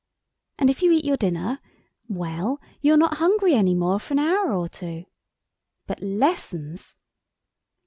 And if you eat your dinner—well, you're not hungry any more for an hour or two. But lessons!"